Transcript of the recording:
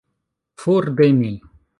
For de mi!